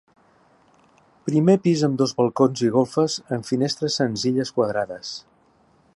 Primer pis amb dos balcons i golfes amb finestres senzilles quadrades.